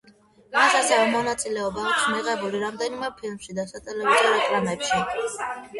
მას ასევე მონაწილეობა აქვს მიღებული რამდენიმე ფილმში და სატელევიზიო რეკლამებში.